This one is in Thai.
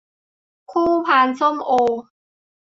คู่พานส้มโอ